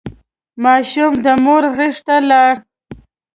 ماشوم د مور غېږ ته لاړ.